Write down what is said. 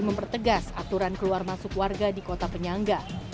mempertegas aturan keluar masuk warga di kota penyangga